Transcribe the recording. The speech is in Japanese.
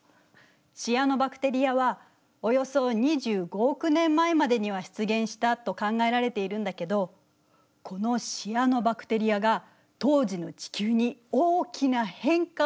シアノバクテリアはおよそ２５億年前までには出現したと考えられているんだけどこのシアノバクテリアが当時の地球に大きな変化をもたらすのよ。